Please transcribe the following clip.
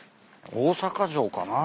大阪城かな？